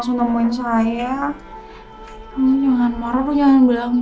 ya ampun saya senang kamu datang kesini